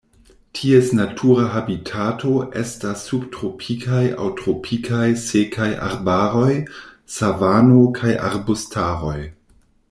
Ties natura habitato estas subtropikaj aŭ tropikaj sekaj arbaroj, savano kaj arbustaroj.